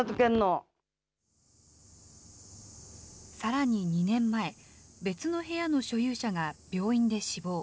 さらに２年前、別の部屋の所有者が病院で死亡。